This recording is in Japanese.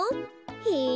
へえ。